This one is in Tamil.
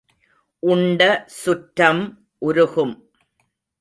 உண்ட சுற்றம் உருகும்.